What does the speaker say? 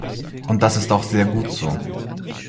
Und das ist auch sehr gut so.